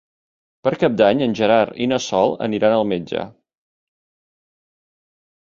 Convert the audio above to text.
Per Cap d'Any en Gerard i na Sol aniran al metge.